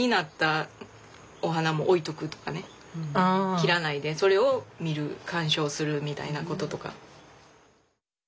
切らないでそれを見る観賞するみたいなこととか。